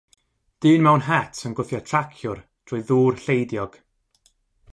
Dyn mewn het yn gwthio traciwr drwy ddŵr lleidiog.